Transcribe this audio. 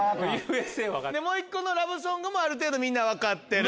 でもう一個のラブソングもある程度分かってる。